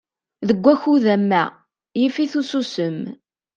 Deg ukud am wa, yif-it ususem.